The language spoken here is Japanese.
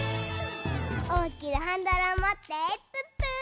おおきなハンドルをもってプップー！